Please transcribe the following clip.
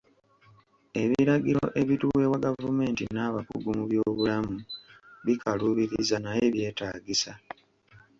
Ebiragiro ebituweebwa gavumenti n'abakugu mu byobulamu bikaluubiriza naye byetaagisa.